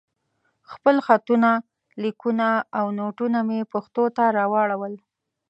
خپل خطونه، ليکونه او نوټونه مې پښتو ته راواړول.